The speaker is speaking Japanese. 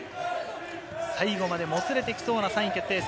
最後まで、もつれてきそうな３位決定戦。